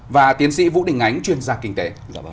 và tiến sĩ vũ đình ánh chuyên gia kinh tế